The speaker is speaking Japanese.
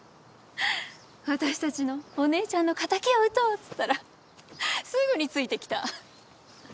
私たちのお姉ちゃんの敵を討とうって言ったらすぐについてきた。